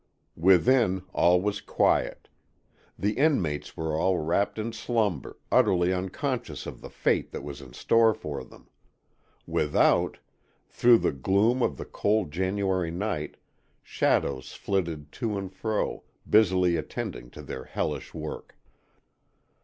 Within all was quiet. The inmates were all wrapped in slumber, utterly unconscious of the fate that was in store for them. Without, through the gloom of the cold January night, shadows flitted to and fro, busily attending to their hellish work.